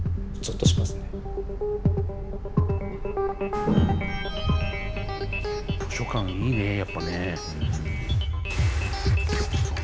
図書館いいねえやっぱね。